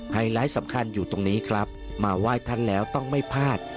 ไลท์สำคัญอยู่ตรงนี้ครับมาไหว้ท่านแล้วต้องไม่พลาด